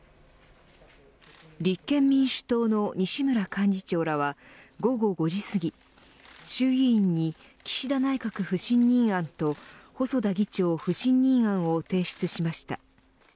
立憲民主党の西村幹事長らは午後５時すぎ衆議院に岸田内閣不信任案と細田議長不信任案を提出しました。